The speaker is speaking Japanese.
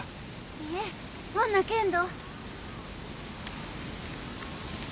いえほんなけんど。